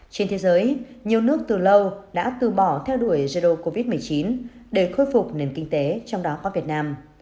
trên thế giới nhiều nước từ lâu đã từ bỏ theo đuổi jerdo covid một mươi chín để khôi phục nền kinh tế trong đó có việt nam